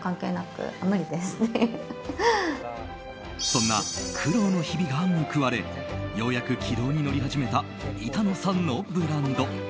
そんな苦労の日々が報われようやく軌道に乗り始めた板野さんのブランド。